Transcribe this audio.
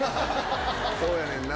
そうやねんな。